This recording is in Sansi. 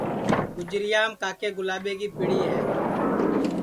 گُجریام کاکے گُلاٻے کی پیڑی ہے